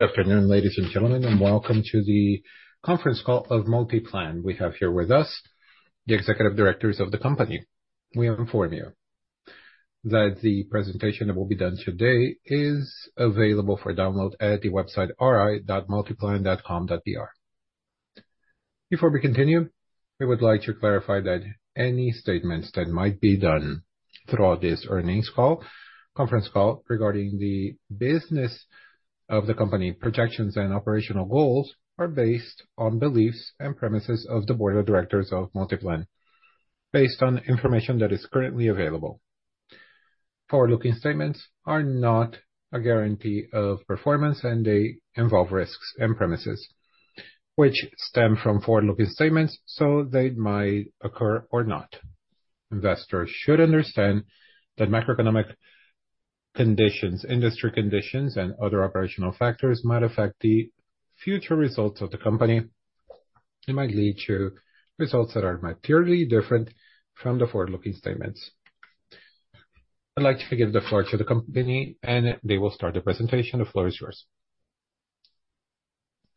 Good afternoon, ladies and gentlemen, and welcome to the Conference Call of Multiplan. We have here with us the executive directors of the company. We inform you that the presentation that will be done today is available for download at the website ri.multiplan.com.br. Before we continue, we would like to clarify that any statements that might be done throughout this earnings call, conference call, regarding the business of the company, projections and operational goals, are based on beliefs and premises of the board of directors of Multiplan, based on information that is currently available. Forward-looking statements are not a guarantee of performance, and they involve risks and premises which stem from forward-looking statements, so they might occur or not. Investors should understand that macroeconomic conditions, industry conditions, and other operational factors might affect the future results of the company and might lead to results that are materially different from the forward-looking statements. I'd like to give the floor to the company, and they will start the presentation. The floor is yours.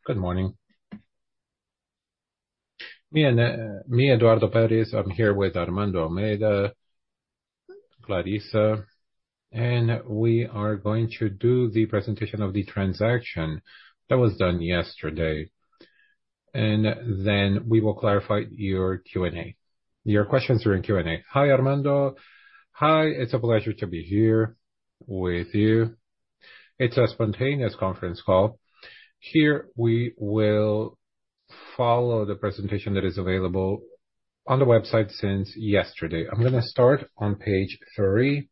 Good morning. Me and me, Eduardo Peres, I'm here with Armando d'Almeida, Clarissa, and we are going to do the presentation of the transaction that was done yesterday, and then we will clarify your Q&A. Your questions are in Q&A. Hi, Armando. Hi, it's a pleasure to be here with you. It's a spontaneous conference call. Here, we will follow the presentation that is available on the website since yesterday. I'm gonna start on page three,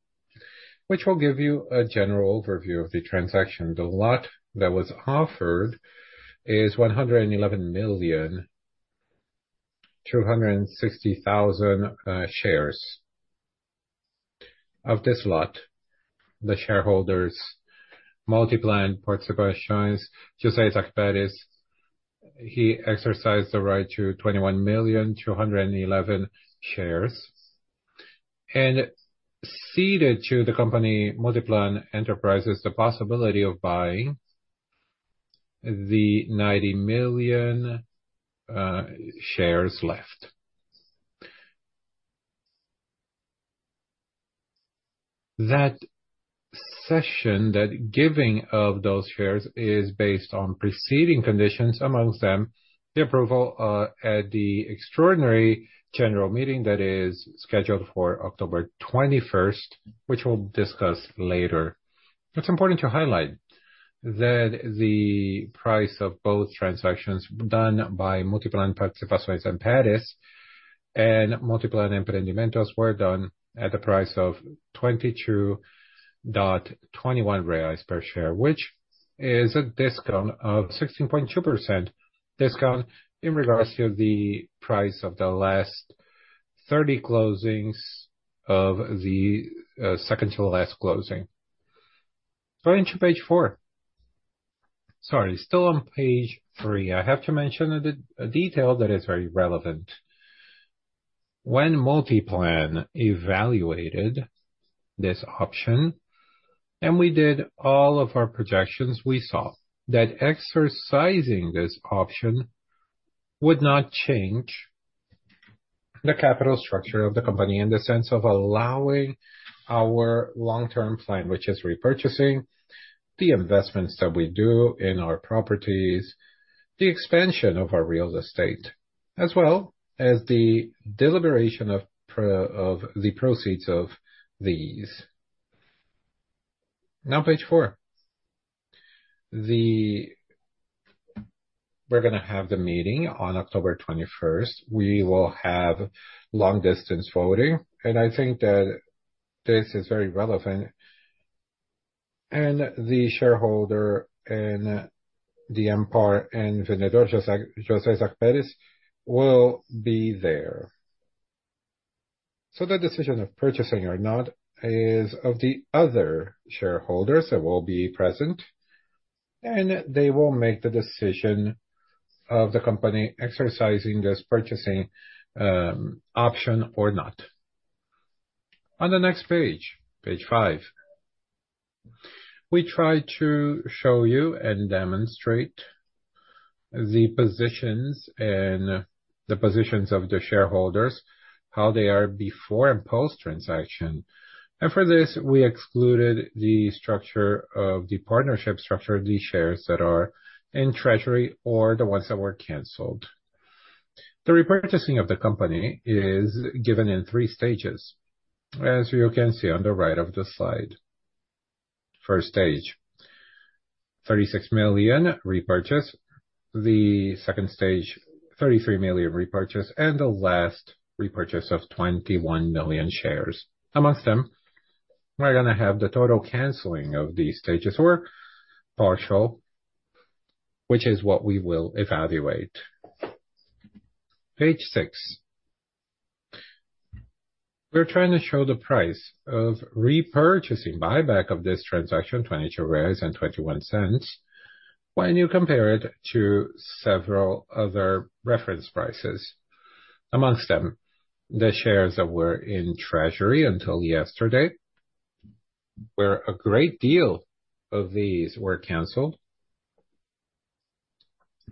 which will give you a general overview of the transaction. The lot that was offered is 111,260 million shares. Of this lot, the shareholders, Multiplan Participações, José Isaac Peres, he exercised the right to 21,211 million shares, and ceded to the company, Multiplan Empreendimentos, the possibility of buying the BRL 90 million shares left. That session, that giving of those shares, is based on preceding conditions, among them, the approval at the extraordinary general meeting that is scheduled for October 21st, which we'll discuss later. It's important to highlight that the price of both transactions done by Multiplan Participações and Peres, and Multiplan Empreendimentos, were done at the price of 22.21 reais per share, which is a discount of 16.2% in regards to the price of the last thirty closings of the second to last closing. Going to page four. Sorry, still on page three. I have to mention a detail that is very relevant. When Multiplan evaluated this option, and we did all of our projections, we saw that exercising this option would not change the capital structure of the company in the sense of allowing our long-term plan, which is repurchasing the investments that we do in our properties, the expansion of our real estate, as well as the deliberation of the proceeds of these. Now, page four. We're gonna have the meeting on October 21st. We will have long-distance voting, and I think that this is very relevant. The shareholder, José Isaac Peres, will be there. The decision of purchasing or not is of the other shareholders that will be present, and they will make the decision of the company exercising this purchasing option or not. On the next page, page five, we try to show you and demonstrate the positions of the shareholders, how they are before and post-transaction. And for this, we excluded the partnership structure of these shares that are in treasury or the ones that were canceled. The repurchasing of the company is given in three stages, as you can see on the right of the slide. First stage, 36 million repurchase, the second stage, 33 million repurchase, and the last, repurchase of 21 million shares. Among them, we're gonna have the total canceling of these stages or partial, which is what we will evaluate. Page six. We're trying to show the price of repurchasing, buyback of this transaction, 22.21, when you compare it to several other reference prices. Among them, the shares that were in treasury until yesterday, where a great deal of these were canceled.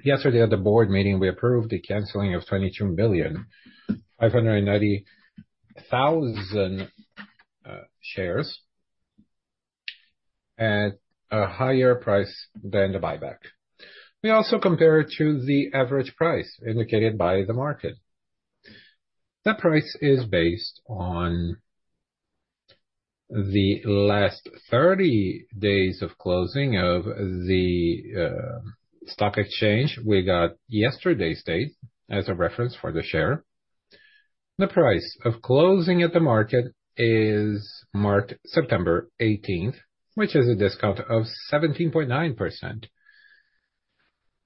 Yesterday, at the board meeting, we approved the canceling of 22,590,000 shares at a higher price than the buyback. We also compare it to the average price indicated by the market. That price is based on the last 30 days of closing of the stock exchange. We got yesterday's date as a reference for the share. The price of closing at the market is September 18th, which is a discount of 17.9%.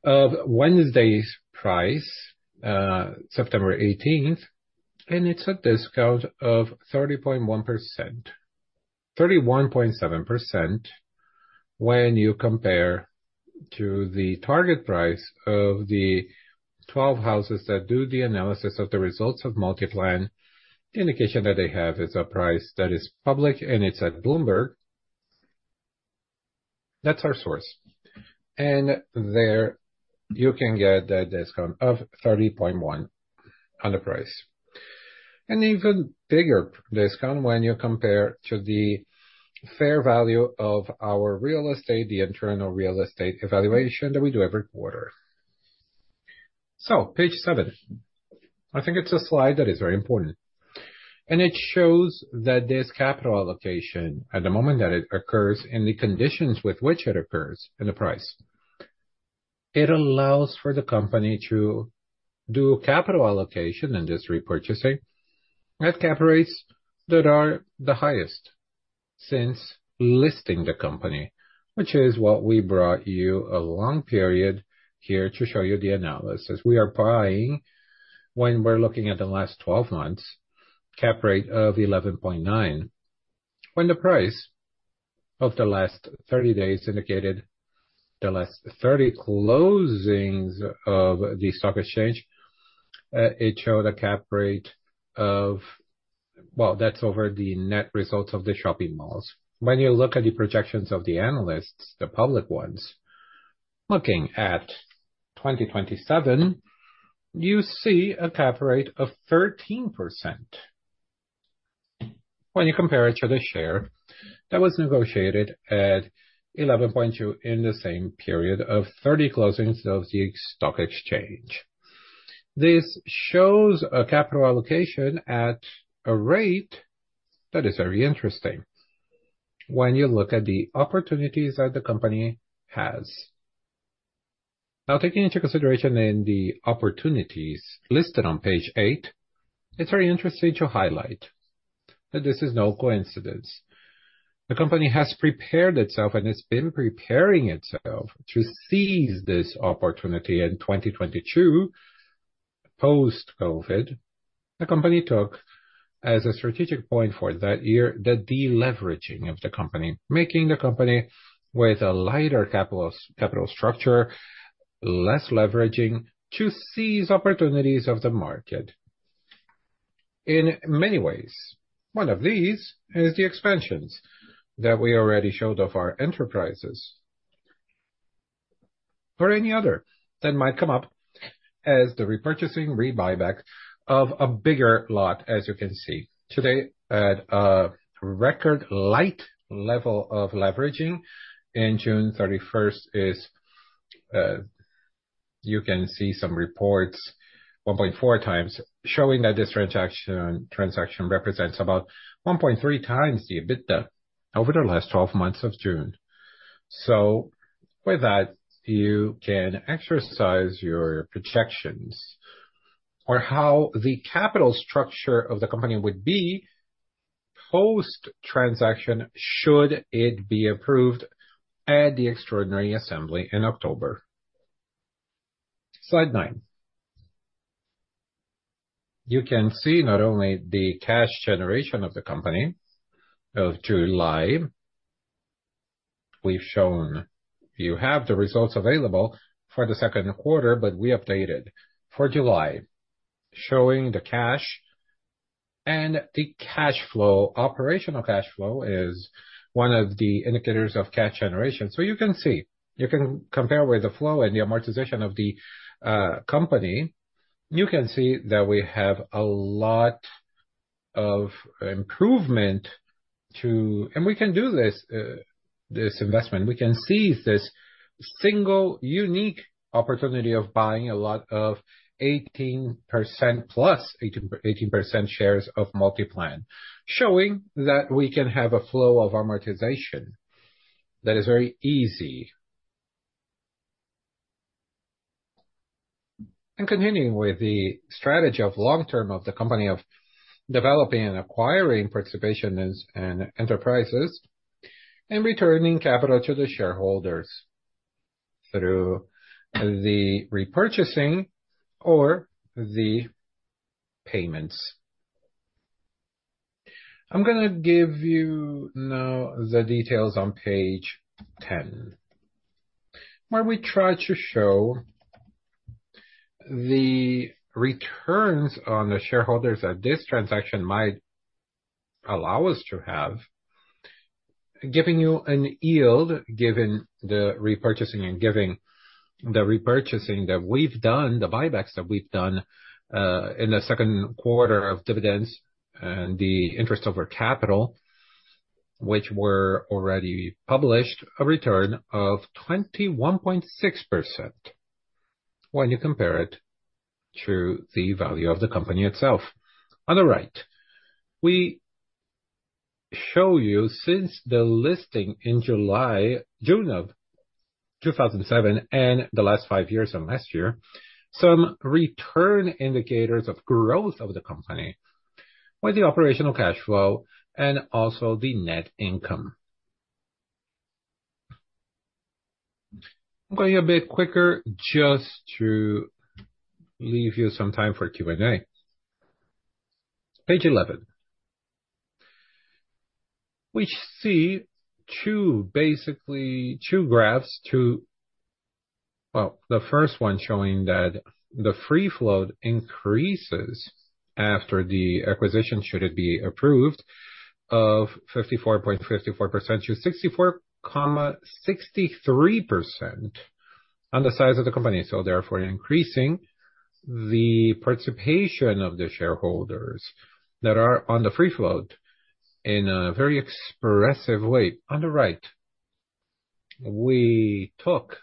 Of Wednesday's price, September 18th, and it's a discount of 30.1%. 31.7% when you compare to the target price of the 12 houses that do the analysis of the results of Multiplan. The indication that they have is a price that is public, and it's at Bloomberg. That's our source, and there you can get a discount of 30.1% on the price. An even bigger discount when you compare to the fair value of our real estate, the internal real estate evaluation that we do every quarter. So page seven, I think it's a slide that is very important, and it shows that this capital allocation, at the moment that it occurs, and the conditions with which it occurs, and the price, it allows for the company to do capital allocation and this repurchasing at cap rates that are the highest since listing the company, which is what we brought you a long period here to show you the analysis. We are buying, when we're looking at the last 12 months, cap rate of 11.9. When the price of the last 30 days indicated the last 30 closings of the stock exchange, it showed a cap rate of... Well, that's over the net results of the shopping malls. When you look at the projections of the analysts, the public ones, looking at 2027, you see a cap rate of 13% when you compare it to the share that was negotiated at 11.2 in the same period of 30 closings of the stock exchange. This shows a capital allocation at a rate that is very interesting when you look at the opportunities that the company has. Now, taking into consideration in the opportunities listed on page eight, it's very interesting to highlight that this is no coincidence. The company has prepared itself, and it's been preparing itself to seize this opportunity in 2022. Post-COVID, the company took, as a strategic point for that year, the deleveraging of the company, making the company with a lighter capital, capital structure, less leveraging to seize opportunities of the market. In many ways, one of these is the expansions that we already showed of our enterprises, or any other that might come up as the repurchasing or buyback of a bigger lot, as you can see. Today, at a record low level of leveraging, in June 31st is, you can see some reports, one point four times, showing that this transaction represents about one point three times the EBITDA over the last twelve months of June. So with that, you can exercise your projections on how the capital structure of the company would be post-transaction should it be approved at the extraordinary assembly in October. Slide nine. You can see not only the cash generation of the company of July. We've shown you have the results available for the second quarter, but we updated for July, showing the cash and the cash flow. Operational cash flow is one of the indicators of cash generation, so you can see, you can compare with the flow and the amortization of the company, you can see that we have a lot of improvement, and we can do this investment. We can seize this single unique opportunity of buying a lot of 18% plus 18% shares of Multiplan, showing that we can have a flow of amortization that is very easy, and continuing with the strategy of long term of the company of developing and acquiring participations and enterprises, and returning capital to the shareholders through the repurchasing or the payments. I'm gonna give you now the details on page 10, where we try to show... The returns on the shareholders that this transaction might allow us to have, giving you a yield, given the repurchasing and giving the repurchasing that we've done, the buybacks that we've done, in the second quarter of dividends and the interest on our capital, which were already published, a return of 21.6% when you compare it to the value of the company itself. On the right, we show you, since the listing in July, June of 2007, and the last five years and last year, some return indicators of growth of the company with the operational cash flow and also the net income. I'm going a bit quicker just to leave you some time for Q&A. Page eleven. We see two, basically two graphs. Well, the first one showing that the free float increases after the acquisition, should it be approved, of 54.54% to 64.63% on the size of the company. So therefore increasing the participation of the shareholders that are on the free float in a very expressive way. On the right, we took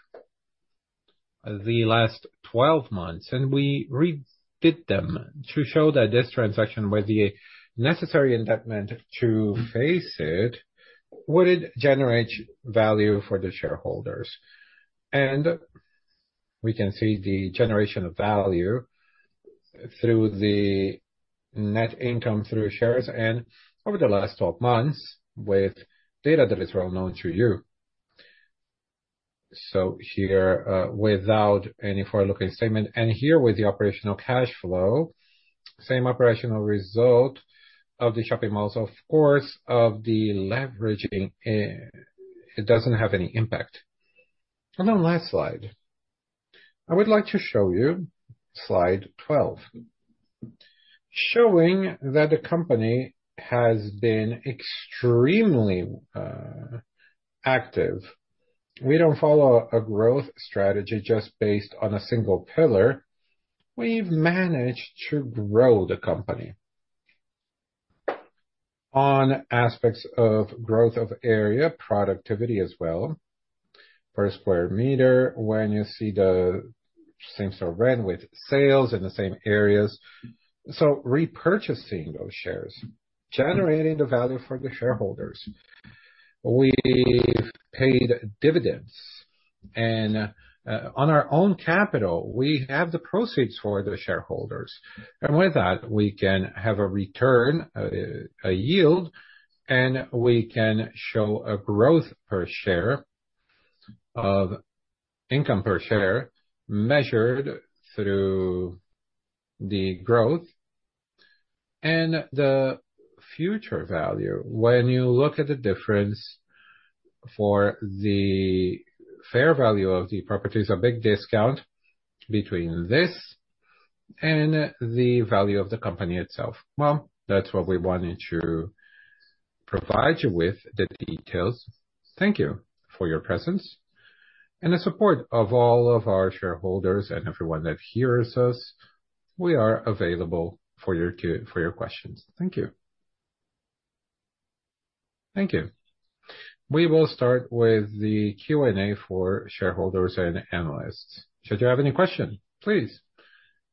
the last 12 months, and we redid them to show that this transaction, with the necessary endowment to face it, would generate value for the shareholders. And we can see the generation of value through the net income through shares and over the last 12 months, with data that is well known to you. So here, without any forward-looking statement, and here with the operational cash flow, same operational result of the shopping malls, of course, of the leveraging, it doesn't have any impact. On the last slide, I would like to show you slide 12, showing that the company has been extremely active. We don't follow a growth strategy just based on a single pillar. We've managed to grow the company. On aspects of growth of area, productivity as well, per square meter, when you see the same store rent with sales in the same areas. Repurchasing those shares, generating the value for the shareholders, we've paid dividends. On our own capital, we have the proceeds for the shareholders, and with that, we can have a return, a yield, and we can show a growth per share of income per share, measured through the growth and the future value. When you look at the difference for the fair value of the properties, a big discount between this and the value of the company itself. That's what we wanted to provide you with, the details. Thank you for your presence and the support of all of our shareholders and everyone that hears us. We are available for your for your questions. Thank you. Thank you. We will start with the Q&A for shareholders and analysts. Should you have any questions, please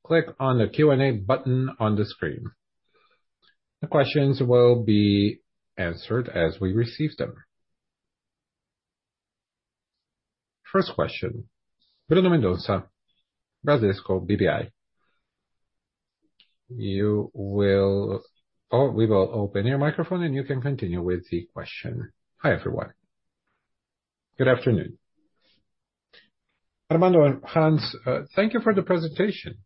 click on the Q&A button on the screen. The questions will be answered as we receive them. First question, Bruno Mendonça, Bradesco BBI. You will... Oh, we will open your microphone, and you can continue with the question. Hi, everyone. Good afternoon. Armando and Hans, thank you for the presentation.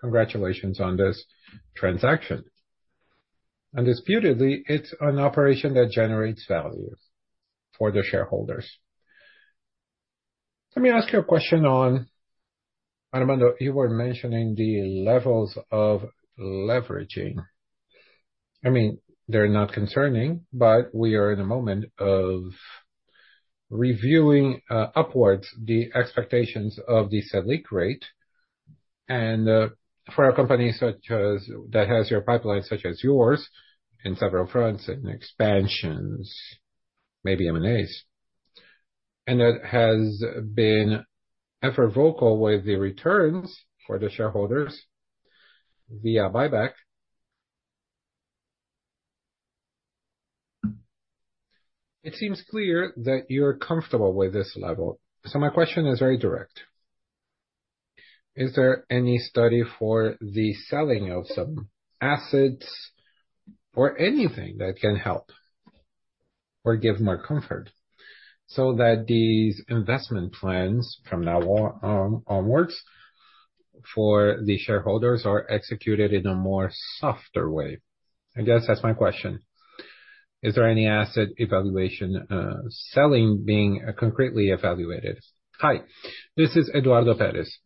Congratulations on this transaction. Undisputedly, it's an operation that generates value for the shareholders. Let me ask you a question on, Armando, you were mentioning the levels of leveraging. I mean, they're not concerning, but we are in a moment of reviewing upwards the expectations of the Selic rate. And for a company such as that has your pipeline, such as yours, in several fronts, in expansions, maybe M&As, and it has been ever vocal with the returns for the shareholders via buyback. It seems clear that you're comfortable with this level. So my question is very direct: Is there any study for the selling of some assets or anything that can help or give more comfort, so that these investment plans from now on, onwards, for the shareholders are executed in a more softer way? I guess that's my question. Is there any asset evaluation, selling, being concretely evaluated? Hi, this is Eduardo Peres.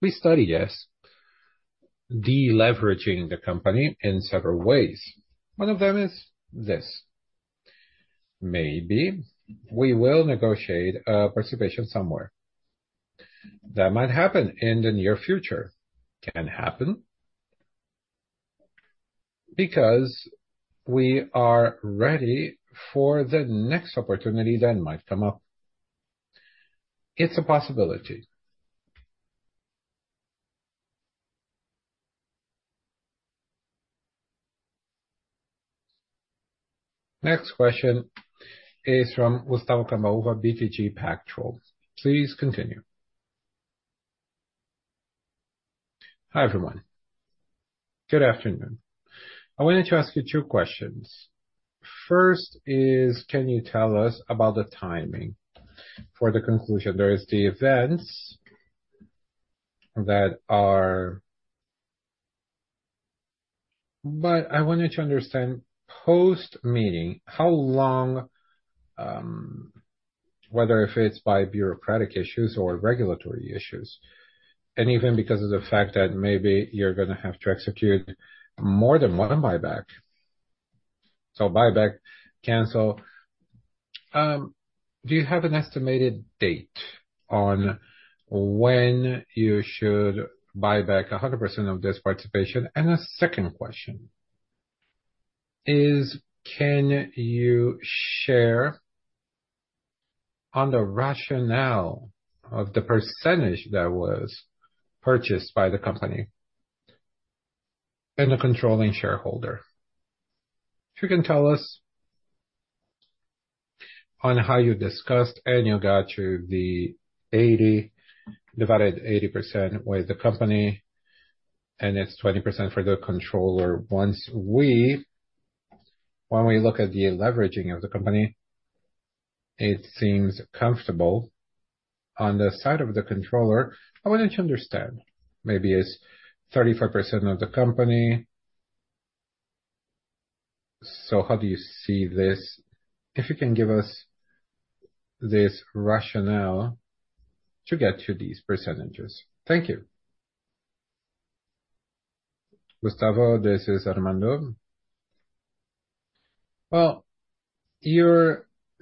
We study, yes, deleveraging the company in several ways. One of them is this, maybe we will negotiate a participation somewhere. That might happen in the near future. Can happen, because we are ready for the next opportunity that might come up. It's a possibility. Next question is from Gustavo Cambauva, BTG Pactual. Please continue. Hi, everyone. Good afternoon. I wanted to ask you two questions. First is, can you tell us about the timing for the conclusion? There is the events that are. But I wanted to understand, post-meeting, how long, whether if it's by bureaucratic issues or regulatory issues, and even because of the fact that maybe you're gonna have to execute more than one buyback. So buyback, cancel. Do you have an estimated date on when you should buy back 100% of this participation? A second question is: Can you share on the rationale of the percentage that was purchased by the company and the controlling shareholder? If you can tell us on how you discussed and you got to the 80%, divided 80% with the company, and it's 20% for the controller. When we look at the leveraging of the company, it seems comfortable on the side of the controller. I wanted to understand, maybe it's 35% of the company, so how do you see this? If you can give us this rationale to get to these percentages. Thank you. Gustavo, this is Armando.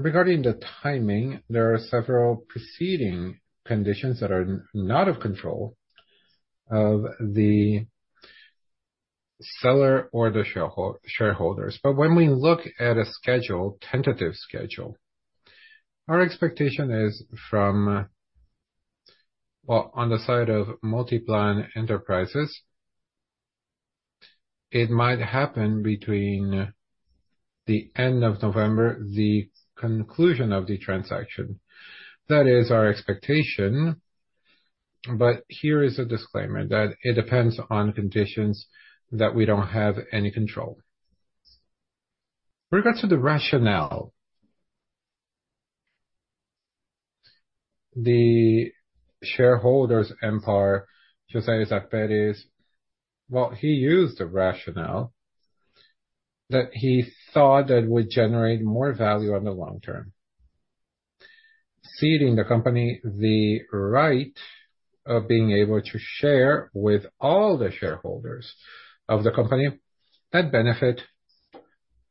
Regarding the timing, there are several preceding conditions that are not of control of the seller or the shareholders. But when we look at a schedule, tentative schedule, our expectation is from... On the side of Multiplan Enterprises, it might happen between the end of November, the conclusion of the transaction. That is our expectation, but here is a disclaimer, that it depends on conditions that we don't have any control. With regards to the rationale, the shareholder's empire, José Isaac Peres, well, he used a rationale that he thought that would generate more value on the long term. Ceding the company, the right of being able to share with all the shareholders of the company, that benefit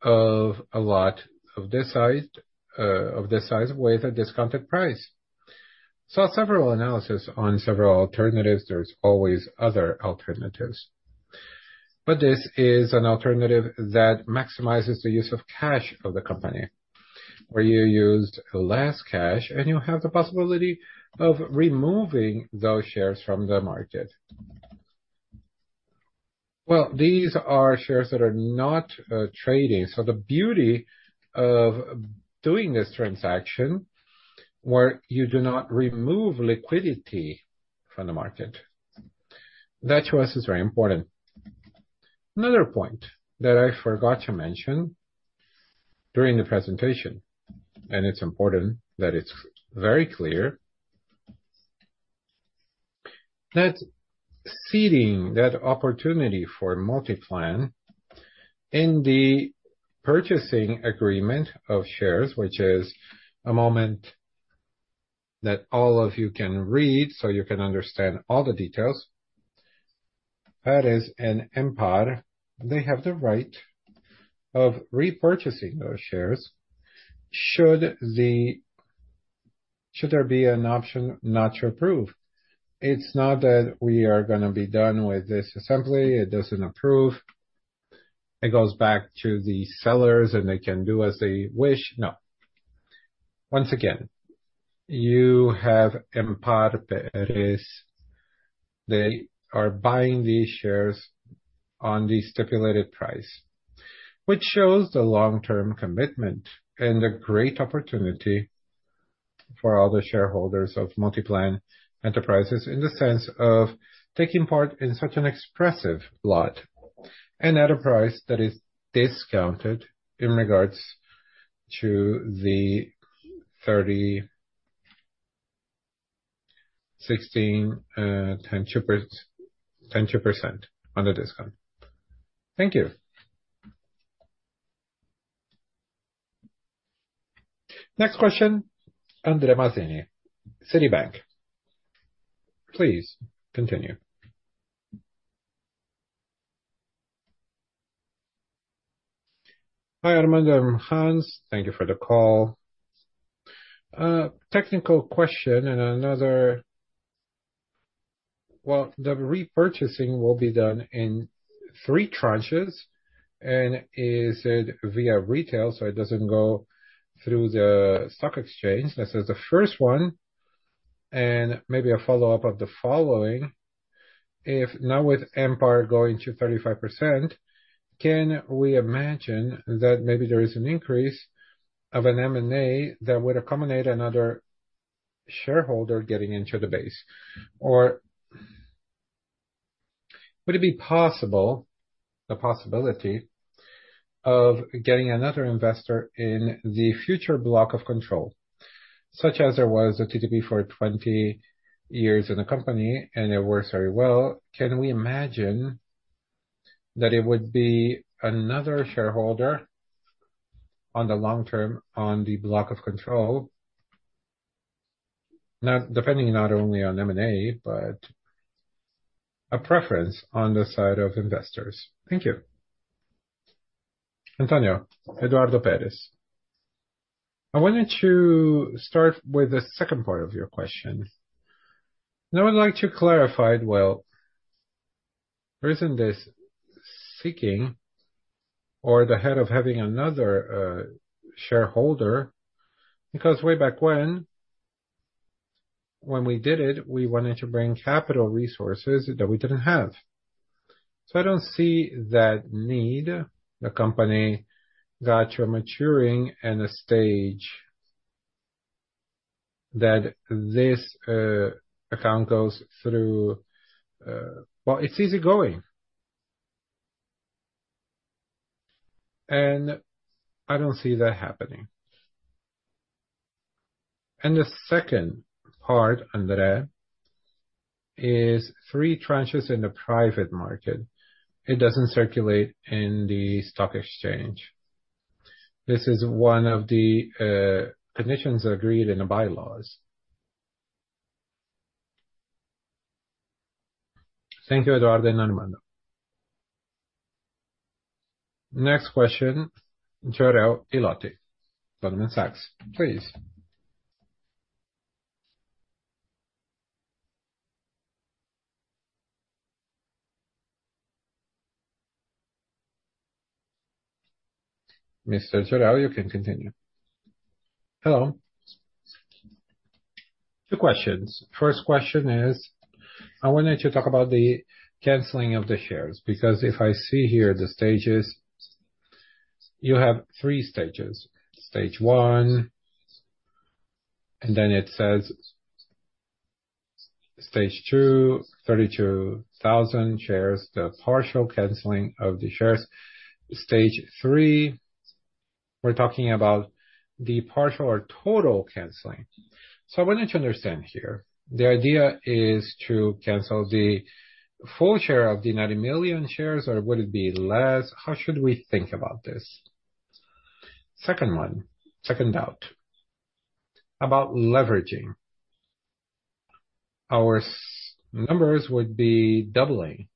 of a lot of this size, with a discounted price, so several analysis on several alternatives, there's always other alternatives, but this is an alternative that maximizes the use of cash of the company, where you used less cash, and you have the possibility of removing those shares from the market. Well, these are shares that are not trading, so the beauty of doing this transaction, where you do not remove liquidity from the market, that to us is very important. Another point that I forgot to mention during the presentation, and it's important that it's very clear, that ceding that opportunity for Multiplan in the purchasing agreement of shares, which is a moment that all of you can read, so you can understand all the details. That is, in MPAR, they have the right of repurchasing those shares, should there be an option not to approve. It's not that we are gonna be done with this assembly, it doesn't approve, it goes back to the sellers, and they can do as they wish. No. Once again, you have MPAR, Peres, they are buying these shares on the stipulated price, which shows the long-term commitment and the great opportunity for all the shareholders of Multiplan Enterprises, in the sense of taking part in such an expressive lot, and at a price that is discounted in regards to the 16.2%, 10.2% on the discount. Thank you. Next question, André Mazini, Citibank, please continue. Hi, Armando, Hans. Thank you for the call. Technical question and another. The repurchasing will be done in three tranches, and is it via retail, so it doesn't go through the stock exchange? This is the first one, and maybe a follow-up of the following. If now with Empire going to 35%, can we imagine that maybe there is an increase of a M&A that would accommodate another shareholder getting into the base? Or would it be possible, the possibility, of getting another investor in the future block of control, such as there was a OTPP for 20 years in the company and it worked very well. Can we imagine that it would be another shareholder on the long term, on the block of control, not, depending not only on M&A, but a preference on the side of investors? Thank you. André, Eduardo Peres, I wanted to start with the second part of your question. Now, I'd like to clarify. Well, there isn't this seeking or the idea of having another shareholder, because way back when, when we did it, we wanted to bring capital resources that we didn't have. So I don't see that need. The company got to a maturing and a stage that this, account goes through... Well, it's easy going. And I don't see that happening. And the second part, André, is three tranches in the private market. It doesn't circulate in the stock exchange. This is one of the, conditions agreed in the bylaws. Thank you, Eduardo and Armando. Next question, Jorel Guilloty from Goldman Sachs. Please. Mr. Jorel, you can continue. Hello. Two questions. First question is, I wanted to talk about the canceling of the shares, because if I see here the stages, you have three stages. Stage one, and then it says stage two, 32,000 shares, the partial canceling of the shares. Stage three, we're talking about the partial or total canceling. I wanted to understand here, the idea is to cancel the full share of the 90 million shares, or would it be less? How should we think about this? Second one, second doubt, about leveraging. Our numbers would be doubling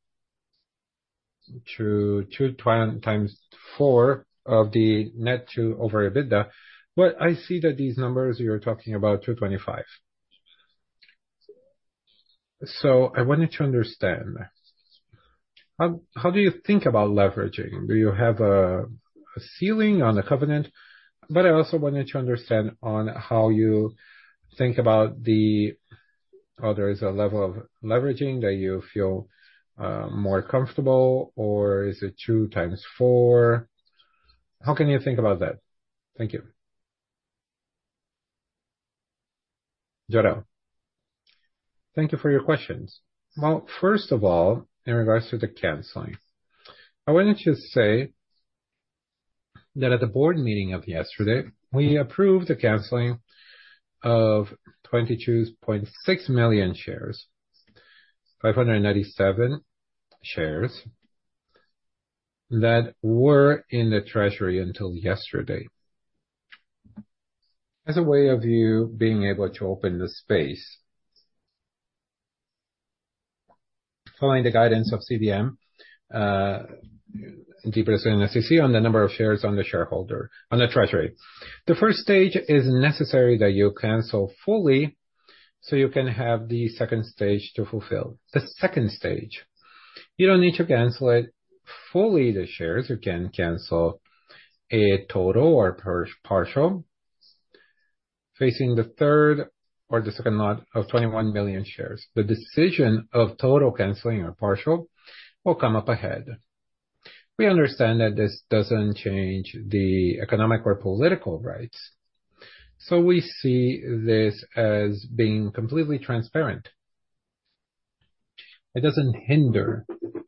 to two times four of the net debt to EBITDA. But I see that these numbers, you're talking about 2.25. So I wanted to understand, how do you think about leveraging? Do you have a ceiling on the covenant? But I also wanted to understand how you think about the level of leveraging that you feel more comfortable, or is it two times four? How can you think about that? Thank you. Jorel, thank you for your questions. First of all, in regards to the canceling, I wanted to say that at the board meeting of yesterday, we approved the canceling of BRL 22.6 million shares, 597 shares, that were in the treasury until yesterday. As a way of you being able to open the space, following the guidance of CVM, in deeper in SEC on the number of shares on the shareholder, on the treasury. The first stage is necessary that you cancel fully, so you can have the second stage to fulfill. The second stage, you don't need to cancel it fully, the shares. You can cancel a total or partial, facing the third or the second lot of 21 million shares. The decision of total canceling or partial will come up ahead. We understand that this doesn't change the economic or political rights, so we see this as being completely transparent. It doesn't hinder,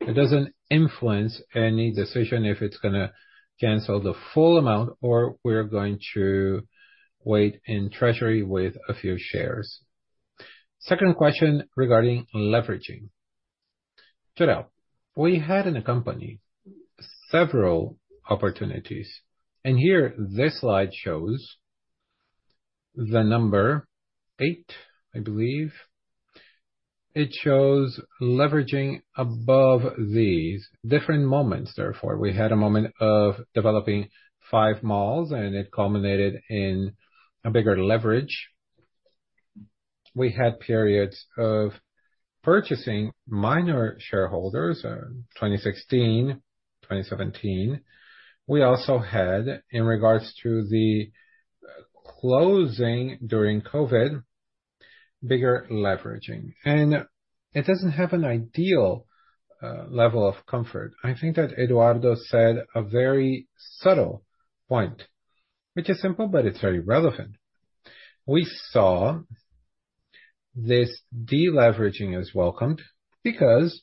it doesn't influence any decision if it's gonna cancel the full amount or we're going to wait in treasury with a few shares. Second question regarding leveraging. Sure, we had in the company several opportunities, and here, this slide shows the number eight, I believe. It shows leveraging above these different moments, therefore. We had a moment of developing five malls, and it culminated in a bigger leverage. We had periods of purchasing minor shareholders, 2016, 2017. We also had, in regards to the, closing during COVID, bigger leveraging, and it doesn't have an ideal, level of comfort. I think that Eduardo said a very subtle point, which is simple, but it's very relevant. We saw this deleveraging is welcomed because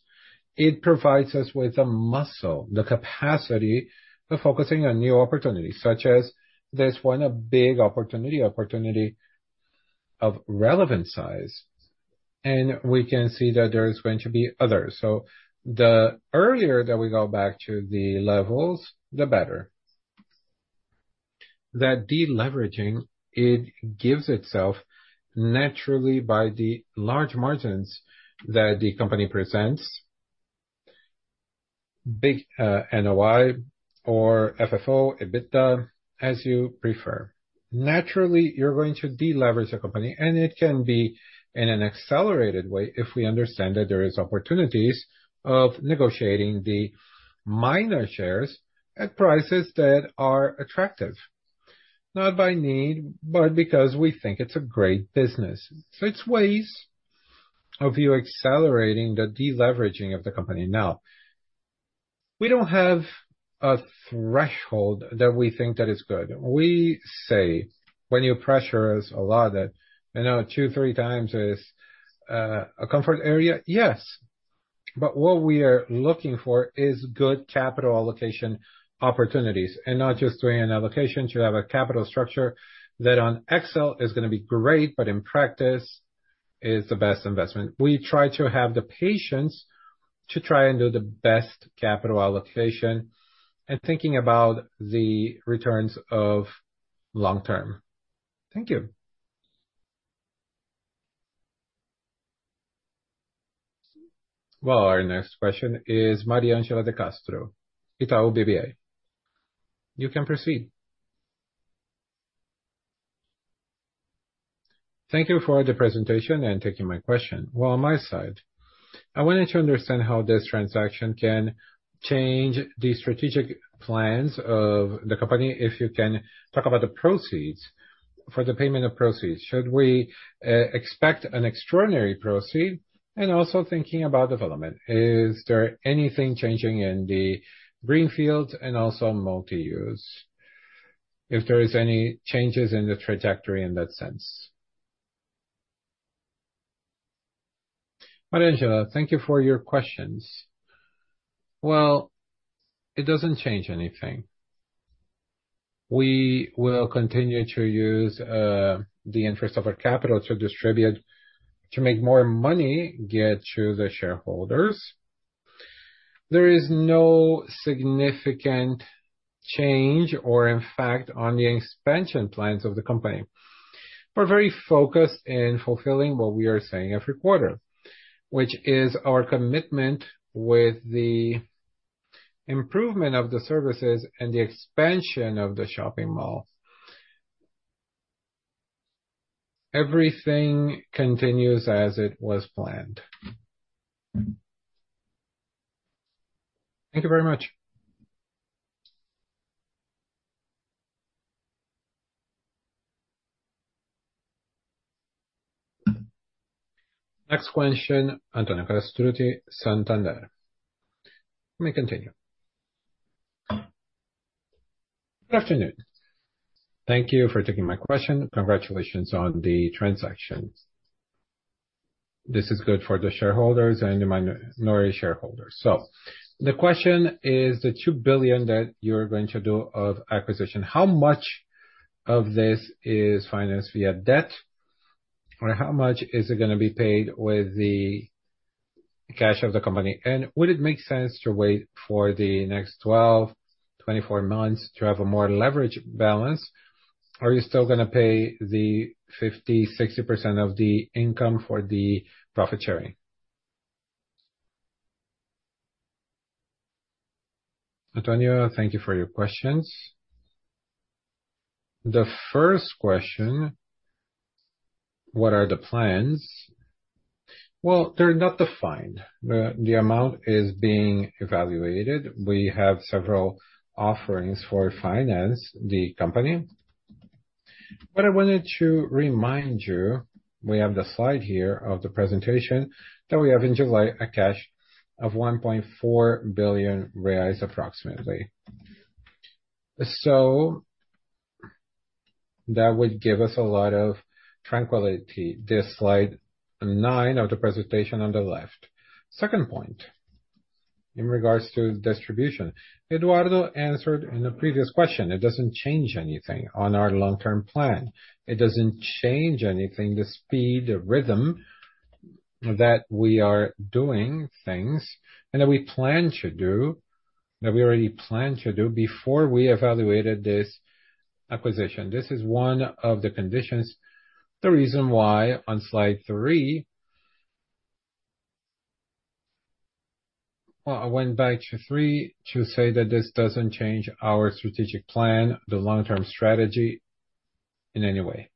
it provides us with the muscle, the capacity for focusing on new opportunities, such as this one, a big opportunity, opportunity of relevant size, and we can see that there is going to be others. So the earlier that we go back to the levels, the better. That deleveraging, it gives itself naturally by the large margins that the company presents, big, NOI or FFO, EBITDA, as you prefer. Naturally, you're going to deleverage the company, and it can be in an accelerated way if we understand that there is opportunities of negotiating the minor shares at prices that are attractive. Not by need, but because we think it's a great business. So it's ways of you accelerating the deleveraging of the company. Now, we don't have a threshold that we think that is good. We say, when you pressure us a lot, that, you know, two, three times is a comfort area. Yes, but what we are looking for is good capital allocation opportunities and not just doing an allocation to have a capital structure that on Excel is gonna be great, but in practice is the best investment. We try to have the patience to try and do the best capital allocation and thinking about the returns of long term. Thank you. Our next question is Mariangela de Castro, Itaú BBA. You can proceed. Thank you for the presentation and taking my question. On my side, I wanted to understand how this transaction can change the strategic plans of the company, if you can talk about the proceeds. For the payment of proceeds, should we expect an extraordinary dividend? Also thinking about development, is there anything changing in the greenfield and also multi-use, if there is any changes in the trajectory in that sense? Mariangela, thank you for your questions. Well, it doesn't change anything. We will continue to use the interest of our capital to distribute, to make more money, get to the shareholders. There is no significant change or in fact, on the expansion plans of the company. We're very focused in fulfilling what we are saying every quarter, which is our commitment with the improvement of the services and the expansion of the shopping mall. Everything continues as it was planned. Thank you very much. Next question, Antonio Castrucci, Santander. You may continue. Good afternoon. Thank you for taking my question. Congratulations on the transaction. This is good for the shareholders and the minority shareholders. The question is, the 2 billion that you're going to do of acquisition, how much of this is financed via debt? Or how much is it gonna be paid with the cash of the company? And would it make sense to wait for the next 12-24 months to have a more leverage balance, or are you still gonna pay the 50%-60% of the income for the profit sharing? Antonio, thank you for your questions. The first question: What are the plans? They're not defined. The amount is being evaluated. We have several offerings for finance, the company. But I wanted to remind you, we have the slide here of the presentation, that we have, in July, cash of 1.4 billion reais, approximately. That would give us a lot of tranquility, this slide 9 of the presentation on the left. Second point, in regards to distribution, Eduardo answered in the previous question, it doesn't change anything on our long-term plan. It doesn't change anything, the speed, the rhythm, that we are doing things and that we plan to do, that we already planned to do before we evaluated this acquisition. This is one of the conditions, the reason why on slide three. Well, I went back to three to say that this doesn't change our strategic plan, the long-term strategy, in any way.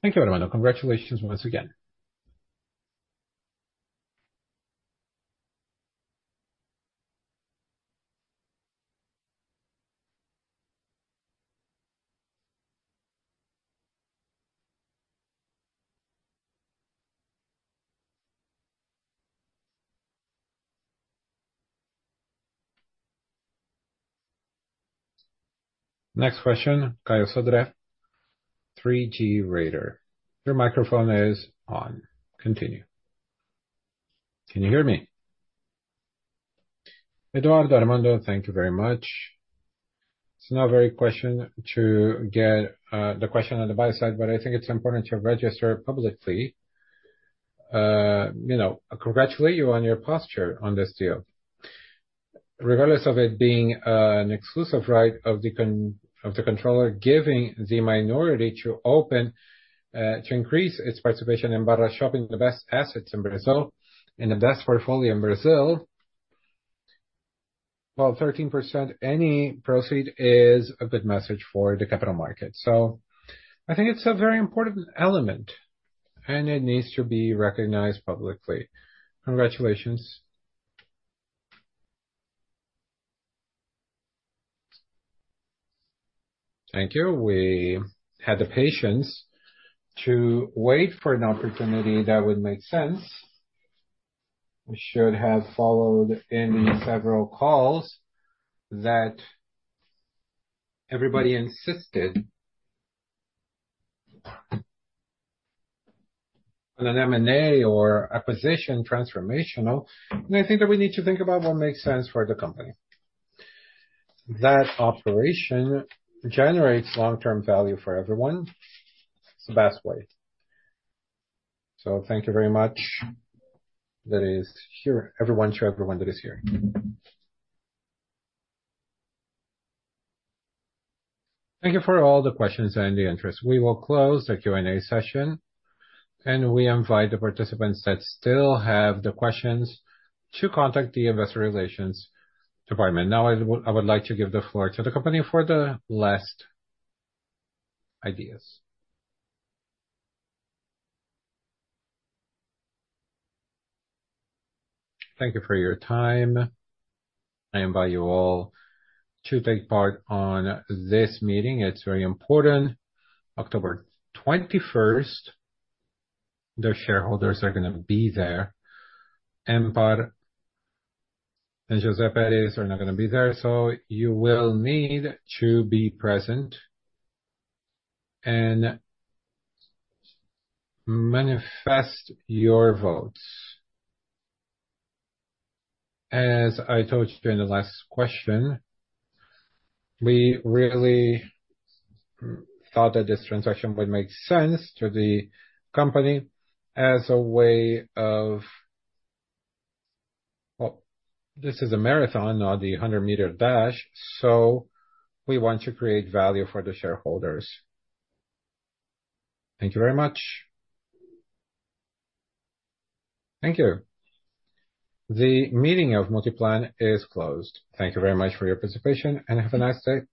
Thank you, Armando. Congratulations once again. Next question, Caio Sodré, 3G Radar. Your microphone is on, continue. Can you hear me? Eduardo, Armando, thank you very much. It's not very question to get the question on the buy side, but I think it's important to register publicly. You know, congratulate you on your posture on this deal. Regardless of it being an exclusive right of the controller, giving the minority to open to increase its participation in BarraShopping, the best assets in Brazil, and the best portfolio in Brazil. Well, 13%, any proceeds is a good message for the capital market. So I think it's a very important element, and it needs to be recognized publicly. Congratulations. Thank you. We had the patience to wait for an opportunity that would make sense. We should have followed in several calls that everybody insisted on a M&A or acquisition transformational, and I think that we need to think about what makes sense for the company. That operation generates long-term value for everyone. It's the best way. So thank you very much. Thanks to everyone that is here. Thank you for all the questions and the interest. We will close the Q&A session, and we invite the participants that still have the questions to contact the investor relations department. Now, I would, I would like to give the floor to the company for the last ideas. Thank you for your time. I invite you all to take part on this meeting. It's very important. October 21st, the shareholders are gonna be there, and MPAR and José Peres are not gonna be there, so you will need to be present and manifest your votes. As I told you in the last question, we really thought that this transaction would make sense to the company as a way of... Well, this is a marathon, not a 100 meter dash, so we want to create value for the shareholders. Thank you very much. Thank you. The meeting of Multiplan is closed. Thank you very much for your participation, and have a nice day.